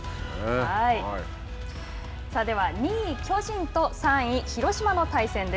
さあでは２位巨人と３位広島の対戦。